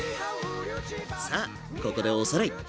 さあここでおさらい。